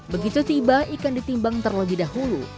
begitu tiba ikan ditimbang terlebih dahulu